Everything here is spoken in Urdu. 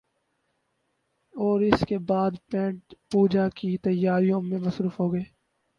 اوراس کے بعد پیٹ پوجا کی تیاریوں میں مصروف ہو گئے ۔